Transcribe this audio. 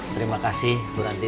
terima kasih bu rante